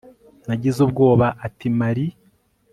Nagize ubwoba Ati Marie